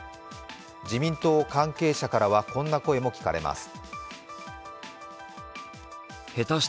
自民党関係者からは、こんな声も聞かれます。